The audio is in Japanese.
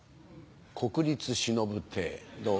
国立しのぶ亭どう？